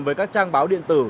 với các trang báo điện tử